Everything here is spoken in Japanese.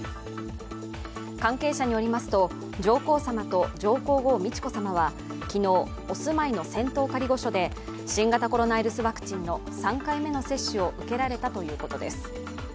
関係者によりますと、上皇さまと上皇后・美智子さまは昨日、お住まいの仙洞仮御所で新型コロナウイルスワクチンの３回目の接種を受けられたということです。